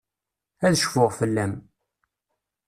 Ad cfuɣ fell-am.